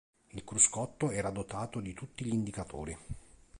Il cruscotto era dotato di tutti gli indicatori.